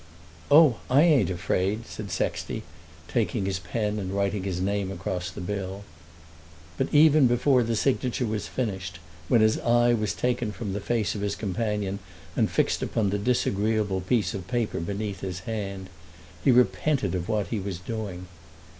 "Oh, I ain't afraid," said Sexty, taking his pen and writing his name across the bill. But even before the signature was finished, when his eye was taken away from the face of his companion and fixed upon the disagreeable piece of paper beneath his hand, he repented of what he was doing.